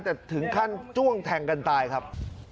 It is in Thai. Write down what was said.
แต่ถึงขั้นจ้วงแทงกันตายครับ